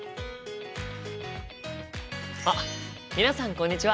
あっ皆さんこんにちは！